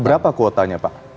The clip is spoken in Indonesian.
berapa kuotanya pak